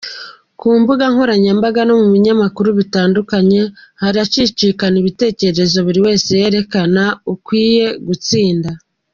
Ku mbuga nkoranyambaga no mu bitangazamakuru bitandukanye haracicikana ibitekerezo buri wese yerekana ukwiye gutsinda.